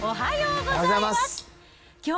おはようございます！